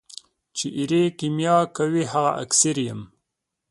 چي ایرې کېمیا کوي هغه اکسیر یم.